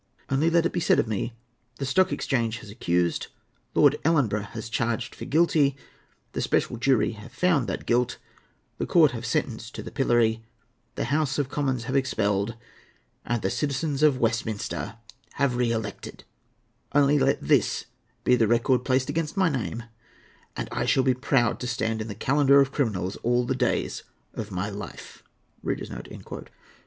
Only let it be said of me: 'The Stock Exchange has accused; Lord Ellenborough has charged for guilty; the special jury have found that guilt; the Court have sentenced to the pillory; the House of Commons have expelled; and the Citizens of Westminster have re elected,'—only let this be the record placed against my name, and I shall be proud to stand in the calendar of criminals all the days of my life."